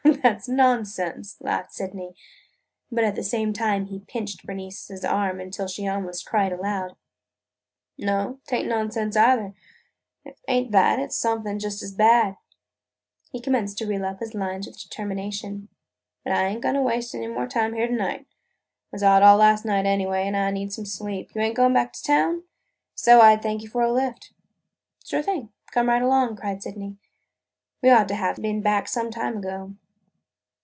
"Oh, that 's nonsense!" laughed Sydney, but at the same time he pinched Bernice's arm till she almost cried aloud. "No, 't ain't nonsense, either. An' if it ain't that, it 's something just as bad." He commenced to reel up his lines with determination. "But I ain't goin' to waste any more time here to night. Was out all last night anyway an' I need sleep. You goin' back to town? If so, I 'd thank you for a lift." "Sure thing! Come right along!" cried Sydney. "We ought to have been back some time ago."